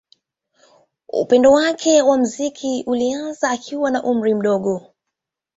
Upendo wake wa muziki ulianza akiwa na umri mdogo.